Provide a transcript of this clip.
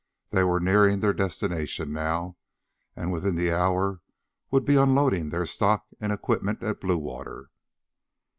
They were nearing their destination now, and within the hour would be unloading their stock and equipment at Bluewater.